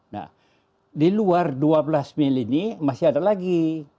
nah di luar dua belas mil ini masih ada lagi